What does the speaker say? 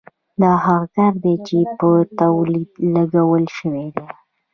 دا هغه کار دی چې په تولید لګول شوی دی